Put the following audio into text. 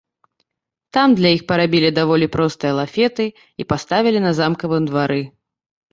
Там для іх парабілі даволі простыя лафеты і паставілі на замкавым двары.